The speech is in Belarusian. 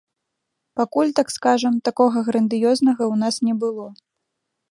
Пакуль, так скажам, такога грандыёзнага ў нас не было.